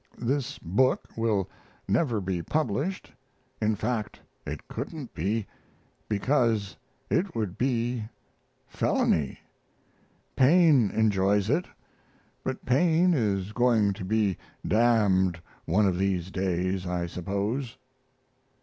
This book will never be published in fact it couldn't be, because it would be felony... Paine enjoys it, but Paine is going to be damned one of these days, I suppose.